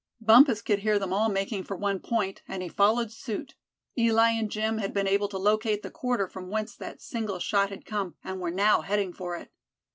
Bumpus could hear them all making for one point, and he followed suit. Eli and Jim had been able to locate the quarter from whence that single shot had come, and were now heading for it.